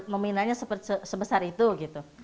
meminanya sebesar itu gitu